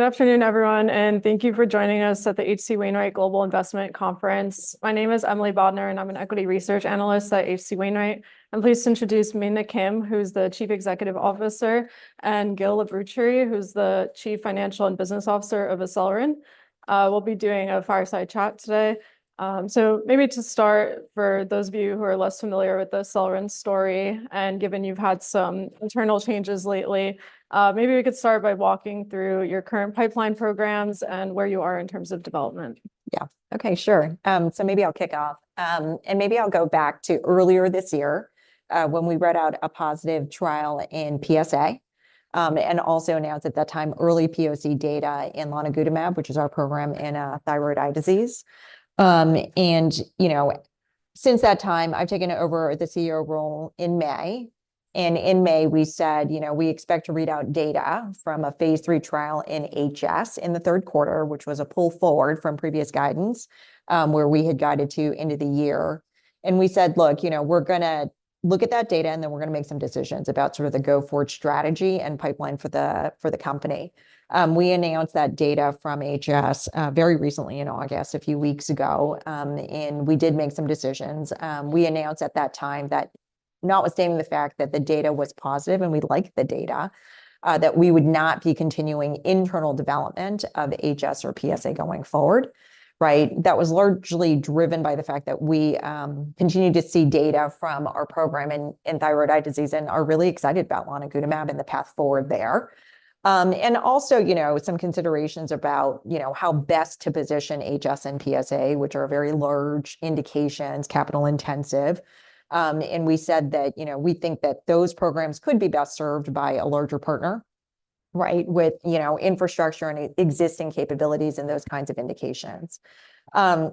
Good afternoon, everyone, and thank you for joining us at the H.C. Wainwright Global Investment Conference. My name is Emily Bodnar, and I'm an equity research analyst at H.C. Wainwright. I'm pleased to introduce Mina Kim, who's the Chief Executive Officer, and Gil Labrucherie, who's the Chief Financial and Business Officer of Acelyrin. We'll be doing a fireside chat today. So maybe to start, for those of you who are less familiar with the Acelyrin story, and given you've had some internal changes lately, maybe we could start by walking through your current pipeline programs and where you are in terms of development. Yeah. Okay, sure. So maybe I'll kick off. And maybe I'll go back to earlier this year, when we read out a positive trial in PsA, and also announced at that time early POC data in lonigutamab, which is our program in thyroid eye disease. And, you know, since that time, I've taken over the CEO role in May, and in May, we said, you know, we expect to read out data from a phase III trial in HS in the third quarter, which was a pull forward from previous guidance, where we had guided to end of the year. And we said, "Look, you know, we're gonna look at that data, and then we're gonna make some decisions about sort of the go-forward strategy and pipeline for the, for the company." We announced that data from HS very recently in August, a few weeks ago, and we did make some decisions. We announced at that time that notwithstanding the fact that the data was positive and we liked the data, that we would not be continuing internal development of HS or PsA going forward, right? That was largely driven by the fact that we continued to see data from our program in thyroid eye disease and are really excited about lonigutamab and the path forward there. And also, you know, some considerations about, you know, how best to position HS and PsA, which are very large indications, capital-intensive. And we said that, you know, we think that those programs could be best served by a larger partner, right? With, you know, infrastructure and existing capabilities in those kinds of indications.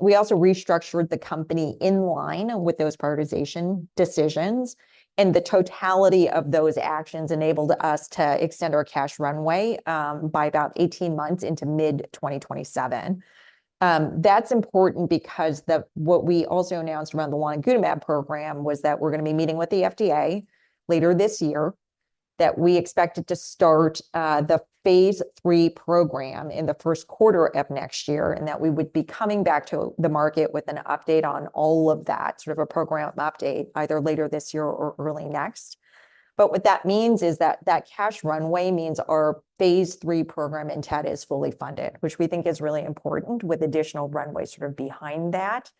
We also restructured the company in line with those prioritization decisions, and the totality of those actions enabled us to extend our cash runway by about 18 months into mid-2027. That's important because what we also announced around the lonigutamab program was that we're gonna be meeting with the FDA later this year, that we expected to start the phase III program in the first quarter of next year, and that we would be coming back to the market with an update on all of that, sort of a program update, either later this year or early next. But what that means is that that cash runway means our phase III program in TED is fully funded, which we think is really important, with additional runway sort of behind that.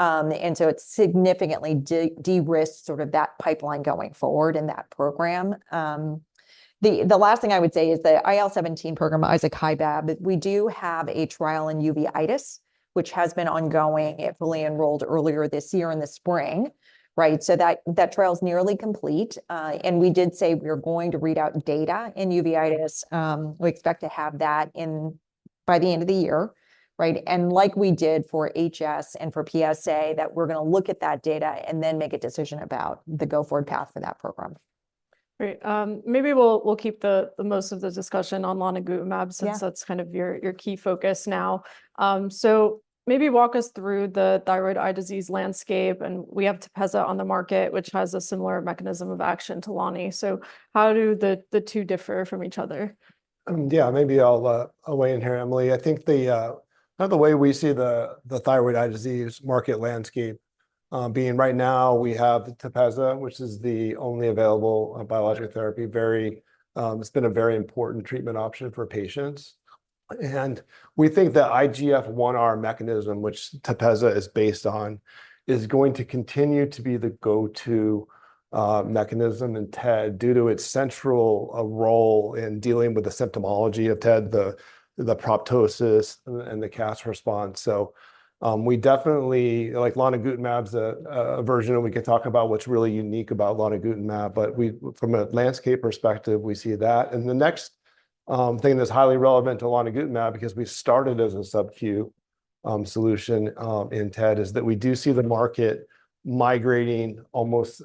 And so it significantly derisks sort of that pipeline going forward in that program. The last thing I would say is the IL-17 program, izokibep. We do have a trial in uveitis, which has been ongoing. It fully enrolled earlier this year in the spring, right? So that trial is nearly complete. And we did say we are going to read out data in uveitis. We expect to have that in by the end of the year, right? And like we did for HS and for PsA, that we're gonna look at that data and then make a decision about the go-forward path for that program. Great. Maybe we'll keep the most of the discussion on lonigutamab- Yeah.... since that's kind of your key focus now. So maybe walk us through the thyroid eye disease landscape, and we have Tepezza on the market, which has a similar mechanism of action to loni. So how do the two differ from each other? Yeah, maybe I'll weigh in here, Emily. I think kind of the way we see the thyroid eye disease market landscape being right now, we have Tepezza, which is the only available biological therapy. It's been a very important treatment option for patients, and we think the IGF-1R mechanism, which Tepezza is based on, is going to continue to be the go-to mechanism in TED due to its central role in dealing with the symptomatology of TED, the proptosis and the CAS response. So, we definitely like lonigutamab as a version, and we can talk about what's really unique about lonigutamab, but from a landscape perspective, we see that. And the next thing that's highly relevant to lonigutamab, because we started as a subQ solution in TED, is that we do see the market migrating almost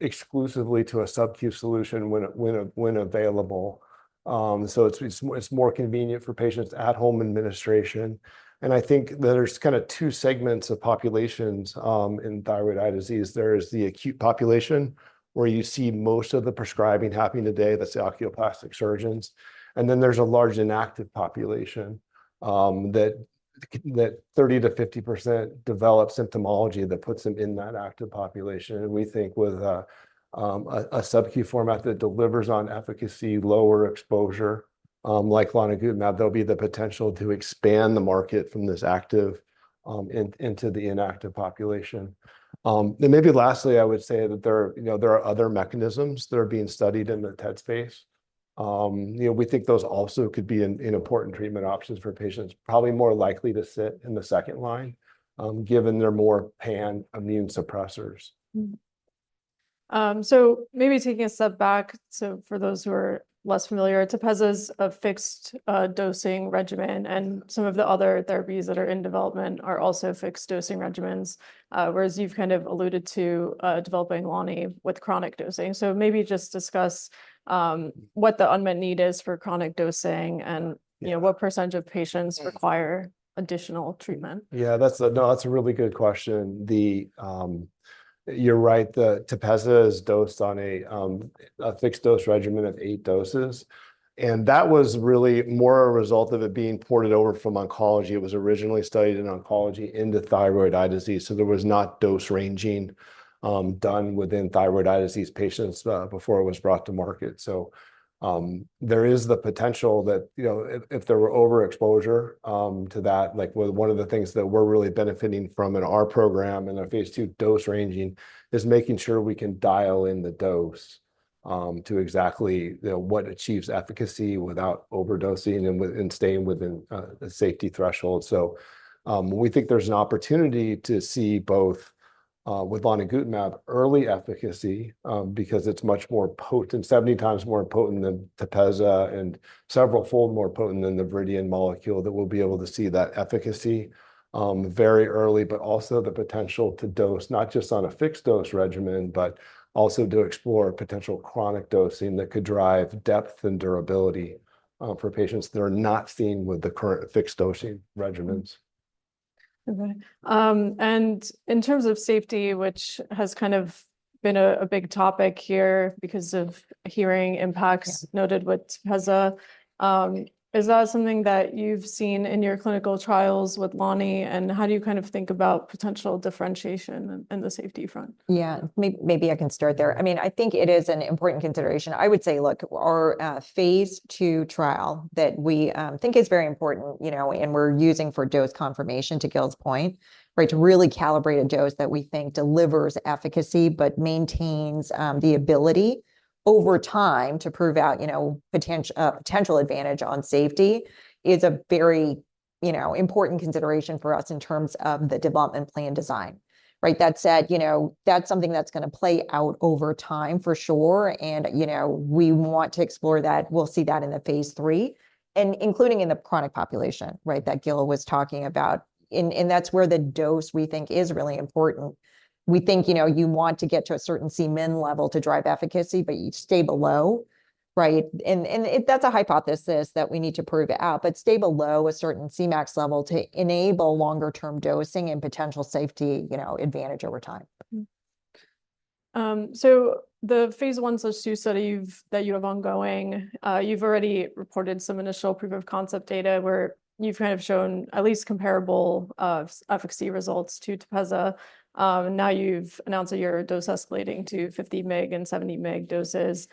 exclusively to a subQ solution when available. So it's more convenient for patients at home administration, and I think that there's kind of two segments of populations in thyroid eye disease. There's the acute population, where you see most of the prescribing happening today. That's the oculoplastic surgeons, and then there's a large inactive population that 30%-50% develop symptomology that puts them in that active population, and we think with a subQ format that delivers on efficacy, lower exposure like lonigutamab, there'll be the potential to expand the market from this active into the inactive population. Then maybe lastly, I would say that there are, you know, there are other mechanisms that are being studied in the TED space. You know, we think those also could be an important treatment options for patients, probably more likely to sit in the second line, given they're more pan-immune suppressors. So maybe taking a step back, so for those who are less familiar, Tepezza's a fixed dosing regimen, and some of the other therapies that are in development are also fixed dosing regimens... whereas you've kind of alluded to developing lonigutamab with chronic dosing. So maybe just discuss what the unmet need is for chronic dosing, and you know, what percentage of patients require additional treatment? Yeah, that's a really good question. The, you're right, the Tepezza is dosed on a fixed-dose regimen of eight doses, and that was really more a result of it being ported over from oncology. It was originally studied in oncology into thyroid eye disease, so there was not dose ranging done within thyroid eye disease patients before it was brought to market. So, there is the potential that, you know, if there were overexposure to that. Like, one of the things that we're really benefiting from in our program, in our phase II dose ranging, is making sure we can dial in the dose to exactly, you know, what achieves efficacy without overdosing and staying within the safety threshold. We think there's an opportunity to see both with lonigutamab early efficacy because it's much more potent, 70 times more potent than Tepezza, and several-fold more potent than the Viridian molecule, that we'll be able to see that efficacy very early. But also the potential to dose, not just on a fixed-dose regimen, but also to explore potential chronic dosing that could drive depth and durability for patients that are not seen with the current fixed-dosing regimens. Okay. And in terms of safety, which has kind of been a big topic here because of hearing impacts noted with Tepezza, is that something that you've seen in your clinical trials with lonigutamab, and how do you kind of think about potential differentiation in the safety front? Yeah. Maybe I can start there. I mean, I think it is an important consideration. I would say, look, our phase II trial that we think is very important, you know, and we're using for dose confirmation, to Gil's point, right? To really calibrate a dose that we think delivers efficacy but maintains the ability over time to prove out, you know, potential advantage on safety is a very, you know, important consideration for us in terms of the development plan design, right? That said, you know, that's something that's gonna play out over time for sure, and, you know, we want to explore that. We'll see that in the phase III, and including in the chronic population, right, that Gil was talking about, and that's where the dose we think is really important. We think, you know, you want to get to a certain Cmin level to drive efficacy, but you stay below, right? That's a hypothesis that we need to prove out, but stay below a certain Cmax level to enable longer-term dosing and potential safety, you know, advantage over time. So the phase I, phase II study that you have ongoing, you've already reported some initial proof-of-concept data, where you've kind of shown at least comparable efficacy results to Tepezza. Now you've announced that you're dose escalating to 50 mg and 70 mg doses.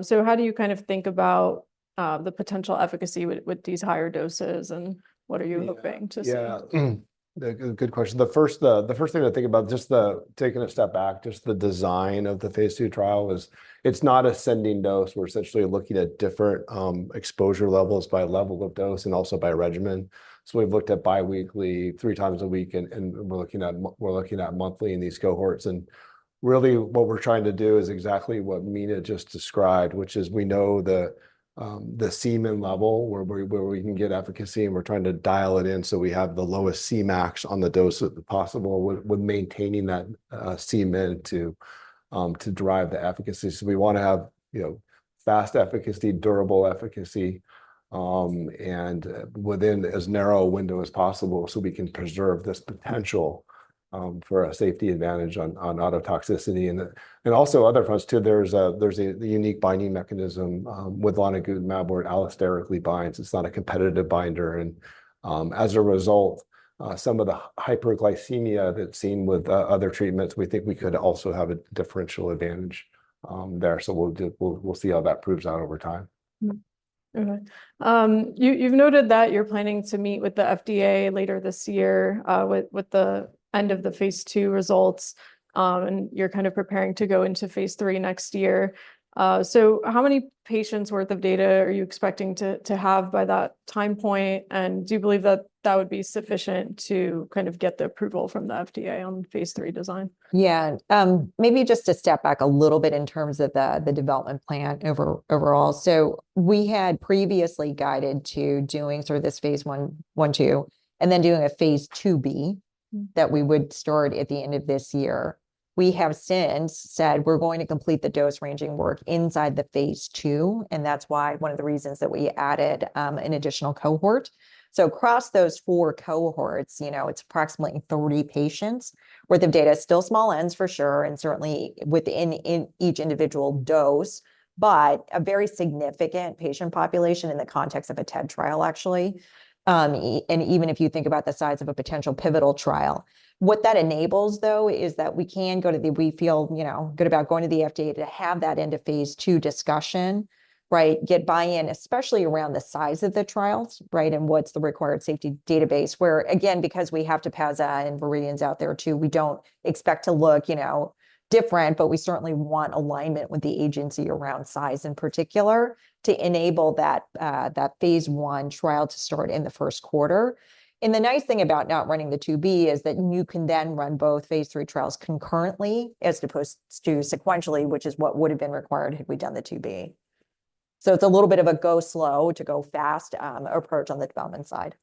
So how do you kind of think about the potential efficacy with these higher doses, and what are you hoping to see? Yeah. Yeah, a good question. The first thing to think about, just taking a step back, just the design of the phase II trial is it's not ascending dose. We're essentially looking at different exposure levels by level of dose and also by regimen. So we've looked at bi-weekly, three times a week, and we're looking at monthly in these cohorts. And really what we're trying to do is exactly what Mina just described, which is we know the Cmin level, where we can get efficacy, and we're trying to dial it in so we have the lowest Cmax on the dose possible with maintaining that Cmin to drive the efficacy. So we want to have, you know, fast efficacy, durable efficacy, and within as narrow a window as possible so we can preserve this potential for a safety advantage on ototoxicity. And also other fronts too, there's the unique binding mechanism with lonigutamab, where it allosterically binds. It's not a competitive binder, and as a result, some of the hyperglycemia that's seen with other treatments, we think we could also have a differential advantage there. So we'll see how that proves out over time. Okay. You've noted that you're planning to meet with the FDA later this year, with the end of the phase II results, and you're kind of preparing to go into phase III next year, so how many patients worth of data are you expecting to have by that time point? And do you believe that would be sufficient to kind of get the approval from the FDA on phase III design? Yeah. Maybe just to step back a little bit in terms of the development plan overall, so we had previously guided to doing sort of this phase I-II, and then doing a phase II-B that we would start at the end of this year. We have since said we're going to complete the dose ranging work inside the phase II, and that's why one of the reasons that we added an additional cohort, so across those four cohorts, you know, it's approximately 30 patients worth of data. Still small n's for sure, and certainly within each individual dose, but a very significant patient population in the context of a TED trial, actually, and even if you think about the size of a potential pivotal trial. What that enables, though, is that we can go to the FDA. We feel, you know, good about going to the FDA to have that end-of-phase II discussion, right? Get buy-in, especially around the size of the trials, right, and what's the required safety database, where again, because we have Tepezza and Viridian's out there too, we don't expect to look, you know, different. But we certainly want alignment with the agency around size, in particular, to enable that phase I trial to start in the first quarter. And the nice thing about not running the II-B is that you can then run both phase III trials concurrently as opposed to sequentially, which is what would've been required had we done the IIB. So it's a little bit of a go slow to go fast approach on the development side.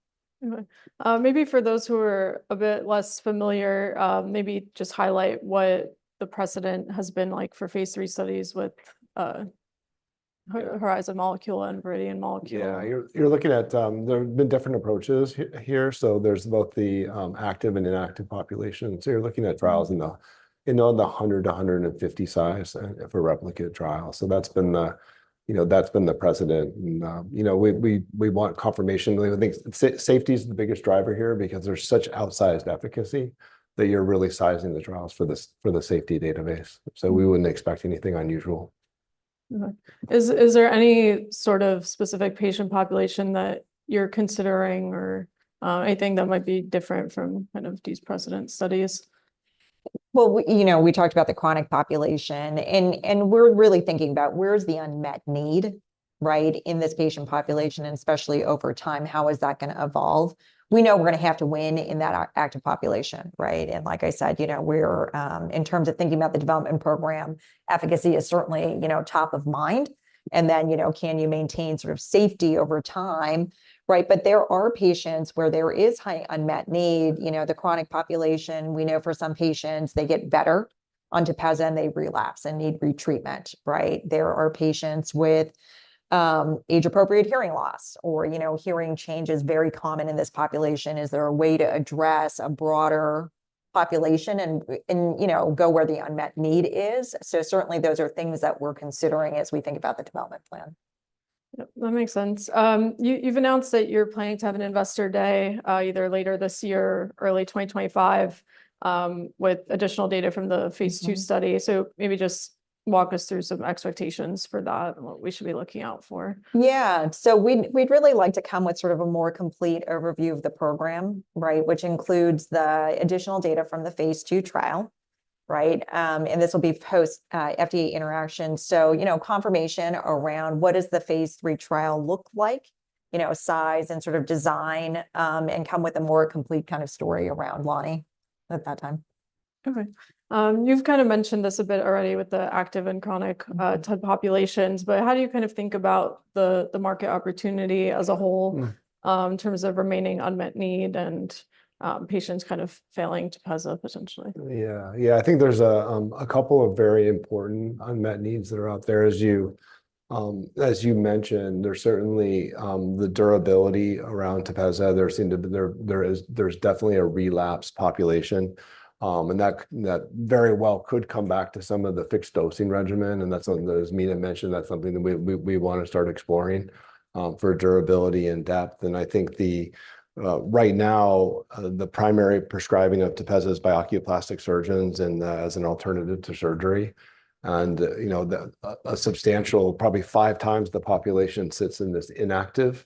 Mm-hmm. Maybe for those who are a bit less familiar, maybe just highlight what the precedent has been like for phase III studies with Horizon molecule and Viridian molecule. Yeah, you're looking at... there have been different approaches here, so there's both the active and inactive population. So you're looking at trials in the 100 to 150 size for a replicate trial, so that's been the precedent, and you know, we want confirmation. I think safety's the biggest driver here because there's such outsized efficacy, that you're really sizing the trials for the safety database. So we wouldn't expect anything unusual. Mm-hmm. Is there any sort of specific patient population that you're considering or, anything that might be different from kind of these precedent studies? You know, we talked about the chronic population, and we're really thinking about where's the unmet need, right, in this patient population, and especially over time, how is that gonna evolve? We know we're gonna have to win in that active population, right, and like I said, you know, we're in terms of thinking about the development program, efficacy is certainly, you know, top of mind, and then, you know, can you maintain sort of safety over time, right, but there are patients where there is high unmet need. You know, the chronic population, we know for some patients they get better on Tepezza, and they relapse and need re-treatment, right? There are patients with age-appropriate hearing loss, or, you know, hearing change is very common in this population. Is there a way to address a broader population, and, you know, go where the unmet need is? So certainly those are things that we're considering as we think about the development plan. Yep, that makes sense. You've announced that you're planning to have an investor day, either later this year, early 2025, with additional data from the phase II study. So maybe just walk us through some expectations for that and what we should be looking out for. Yeah. So we'd really like to come with sort of a more complete overview of the program, right? Which includes the additional data from the phase II trial, right? And this will be post FDA interaction, so, you know, confirmation around what does the phase III trial look like, you know, size, and sort of design, and come with a more complete kind of story around lonigutamab at that time. Okay. You've kind of mentioned this a bit already with the active and chronic type populations, but how do you kind of think about the market opportunity as a whole in terms of remaining unmet need, and, patients kind of failing Tepezza potentially? Yeah. Yeah, I think there's a couple of very important unmet needs that are out there. As you mentioned, there's certainly the durability around Tepezza. There's definitely a relapse population, and that very well could come back to some of the fixed dosing regimen, and that's something that, as Mina mentioned, we want to start exploring for durability and depth. And I think right now the primary prescribing of Tepezza is by oculoplastic surgeons, and as an alternative to surgery. And you know, a substantial, probably five times the population sits in this inactive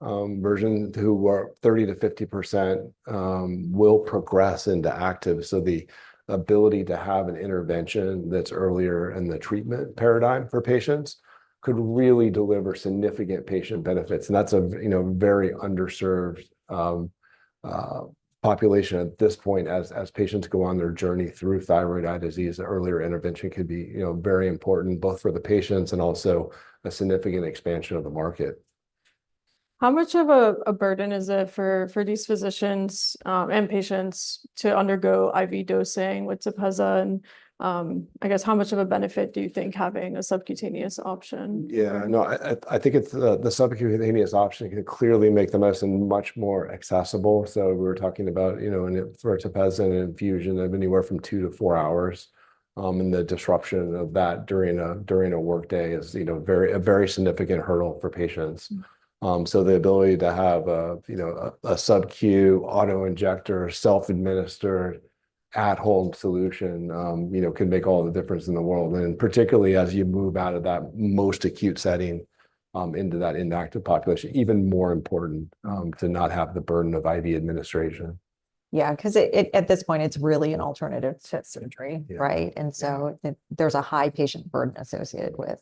version, who are 30%-50% will progress into active. So the ability to have an intervention that's earlier in the treatment paradigm for patients could really deliver significant patient benefits, and that's a, you know, very underserved population at this point as patients go on their journey through thyroid eye disease. An earlier intervention could be, you know, very important both for the patients and also a significant expansion of the market. How much of a burden is it for these physicians and patients to undergo IV dosing with Tepezza, and I guess how much of a benefit do you think having a subcutaneous option? Yeah, no, I think it's the subcutaneous option could clearly make the medicine much more accessible. So we were talking about, you know, and for Tepezza, an infusion of anywhere from two to four hours, and the disruption of that during a workday is, you know, a very significant hurdle for patients. So, the ability to have a, you know, a subQ auto-injector, self-administered, at-home solution, you know, can make all the difference in the world, and particularly as you move out of that most acute setting, into that inactive population, even more important to not have the burden of IV administration. Yeah, 'cause it, at this point, it's really an alternative to surgery- Yeah.... right? And so there's a high patient burden associated with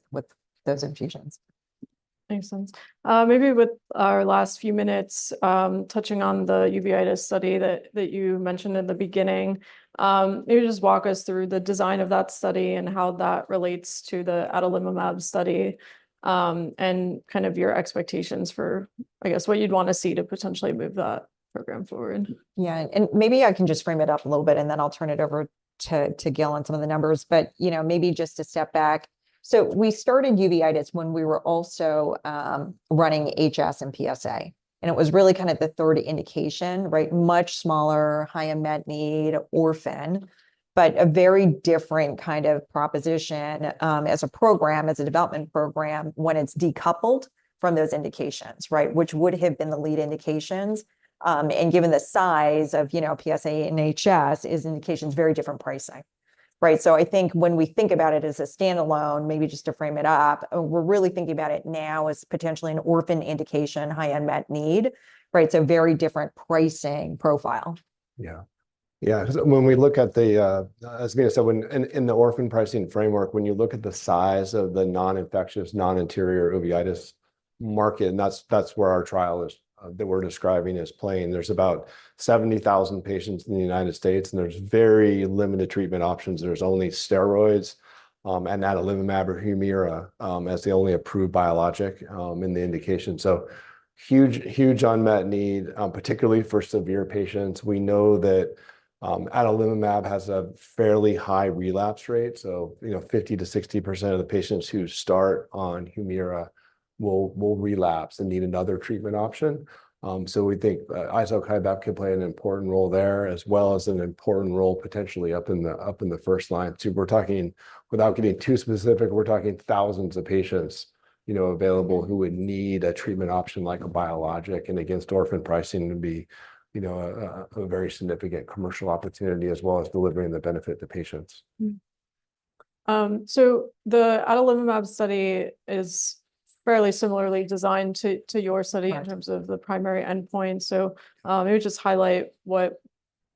those infusions. Makes sense. Maybe with our last few minutes, touching on the uveitis study that you mentioned in the beginning, maybe just walk us through the design of that study and how that relates to the adalimumab study, and kind of your expectations for, I guess, what you'd want to see to potentially move that program forward. Yeah, and maybe I can just frame it up a little bit, and then I'll turn it over to Gil on some of the numbers. But you know, maybe just to step back, so we started uveitis when we were also running HS and PsA, and it was really kind of the third indication, right? Much smaller, high unmet need, orphan, but a very different kind of proposition as a program, as a development program, when it's decoupled from those indications, right? Which would have been the lead indications, and given the size of you know, PsA and HS, is indications very different pricing. Right, so I think when we think about it as a standalone, maybe just to frame it up, we're really thinking about it now as potentially an orphan indication, high unmet need, right? So very different pricing profile. Yeah. Yeah. When we look at the, as Mina said, when, in, in the orphan pricing framework, when you look at the size of the non-infectious non-anterior uveitis market, and that's, that's where our trial is, that we're describing, is playing. There's about 70,000 patients in the United States, and there's very limited treatment options. There's only steroids, and adalimumab or Humira, as the only approved biologic, in the indication. So huge, huge unmet need, particularly for severe patients. We know that, adalimumab has a fairly high relapse rate, so, you know, 50%-60% of the patients who start on Humira will, will relapse and need another treatment option. So we think izokibep could play an important role there, as well as an important role potentially up in the, up in the first line, too. We're talking, without getting too specific, we're talking thousands of patients, you know, available who would need a treatment option like a biologic, and against orphan pricing to be, you know, a very significant commercial opportunity, as well as delivering the benefit to patients. So the adalimumab study is fairly similarly designed to your study. Right..... in terms of the primary endpoint, so, maybe just highlight what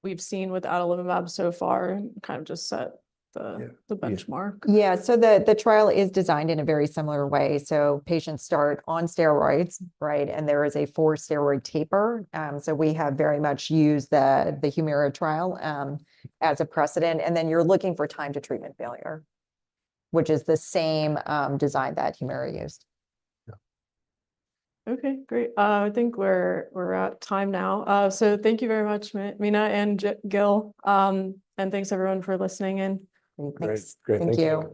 we've seen with adalimumab so far, and kind of just set the- Yeah.... the benchmark. Yeah, so the trial is designed in a very similar way. So patients start on steroids, right? And there is a forced steroid taper. So we have very much used the Humira trial as a precedent, and then you're looking for time to treatment failure, which is the same design that Humira used. Yeah. Okay, great. I think we're at time now. So thank you very much, Mina and Gil, and thanks everyone for listening in. Thanks. Great. Great. Thank you.